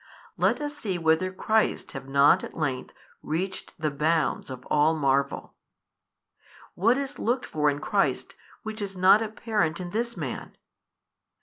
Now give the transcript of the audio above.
let us see whether Christ have not at length reached the bounds of all marvel! what is looked for in Christ which is not apparent in this Man?